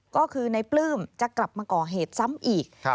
ก็คือในปลื้มจะกลับมาก่อเหตุซ้ำอีก